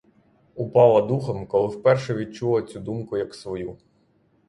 Упала духом, коли вперше відчула цю думку як свою.